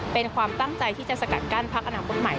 เป็นความตั้งใจที่จะสกัดกั้นพักอนาคตใหม่